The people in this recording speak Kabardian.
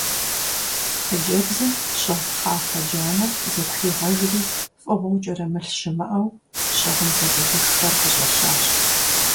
Хъыджэбзым щыгъ пхъафэ джанэр зытригъэжри фӀыгъуэу кӀэрымылъ щымыӀэу щыгъын зыкъизыххэр къыщӀэщащ.